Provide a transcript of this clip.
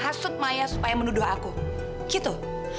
seenjauh mengatakan melahirkan semangat guitar